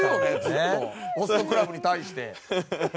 ずっとホストクラブに対して。